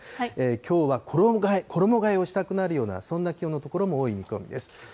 きょうは衣がえをしたくなるような、そんな気温の所も多い見込みです。